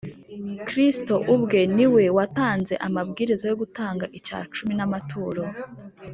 kristo ubwe ni we watanze amabwiriza yo gutanga icya cumi n’amaturo